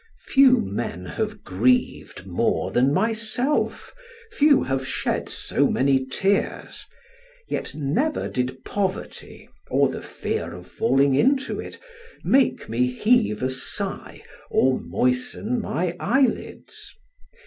Few men have grieved more than myself, few have shed so many tears; yet never did poverty, or the fear of falling into it, make me heave a sigh or moisten my eyelids.